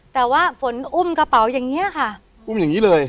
แต่ว่าฝนอุ้มกระเป๋าอย่างเงี้ยค่ะอุ้มอย่างนี้เลย